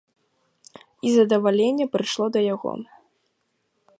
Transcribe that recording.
І задаваленне прыйшло да яго.